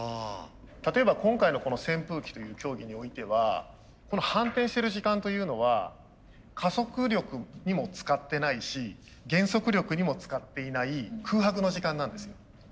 例えば今回のこの扇風機という競技においてはこの反転してる時間というのは加速力にも使ってないし減速力にも使っていない空白の時間なんですよ。